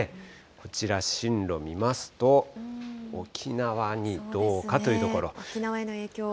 こちら、進路見ますと、沖縄にど沖縄への影響。